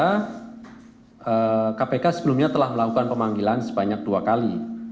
karena kpk sebelumnya telah melakukan pemanggilan sebanyak dua kali